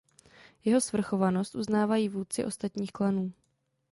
Jeho svrchovanost uznávají vůdci ostatních klanů.